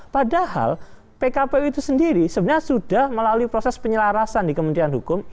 padahal pkpu itu sendiri sebenarnya sudah melalui proses penyelarasan di kementerian hukum